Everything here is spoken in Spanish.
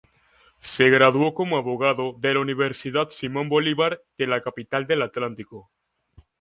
Se graduó como abogado de la Universidad Simón Bolívar de la capital del Atlántico.